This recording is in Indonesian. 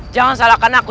jangan salahkan aku